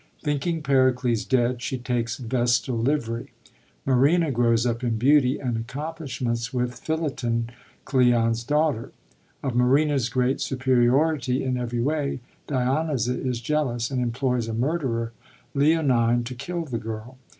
Thinking Pericles dead, she takes vestal livery. Marina grows up in beauty and accomplishments with Philoten, Cleon's daughter. Of Marina's great superiority in every way, Dionyza is jealous, and employs a murderer, Leonine, to kill the girl.